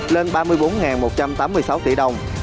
lên ba mươi bốn một trăm tám mươi sáu tỷ đồng